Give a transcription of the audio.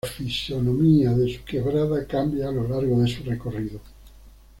La fisonomía de su quebrada, cambia a lo largo de su recorrido.